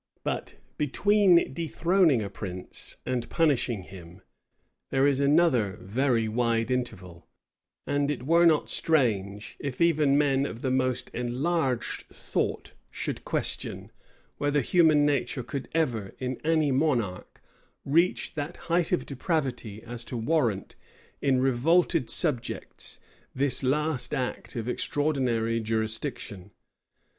But between dethroning a prince and punishing him, there is another very wide interval; and it were not strange, if even men of the most enlarged thought should question, whether human nature could ever, in any monarch, reach that height of depravity, as to warrant, in revolted subjects, this last act of extraordinary jurisdiction.